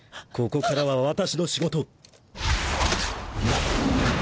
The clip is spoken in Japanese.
ここからは私の仕事。